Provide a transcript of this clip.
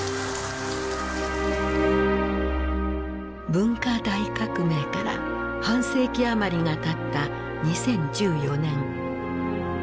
文化大革命から半世紀余りがたった２０１４年。